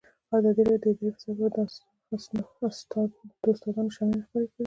ازادي راډیو د اداري فساد په اړه د استادانو شننې خپرې کړي.